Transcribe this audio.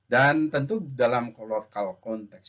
dan tentu dalam kolokal konteks